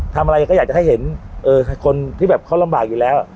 ทำอะไรก็อยากจะให้เห็นคนที่แบบเขาลำบากอยู่แล้ว